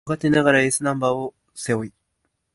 若手ながらエースナンバーを背負う